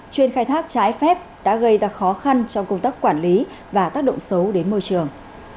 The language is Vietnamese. chuyên khai thác trái phép đã gây ra khó khăn trong công tác quản lý và tác động xấu đến môi trường